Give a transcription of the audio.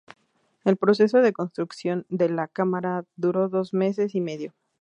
El proceso de construcción de la cámara duró dos meses y medio.